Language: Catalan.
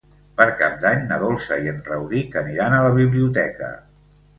Per Cap d'Any na Dolça i en Rauric aniran a la biblioteca.